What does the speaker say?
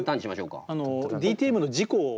ＤＴＭの事故を。